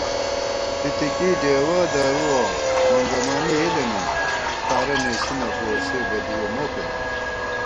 فِتِکی ڈېوَہ درُوَہ مَنگَمانی یېلےنُن * روڅتارہ نېسی نہ بُوَہ سے بدُوَہ مو پېنہ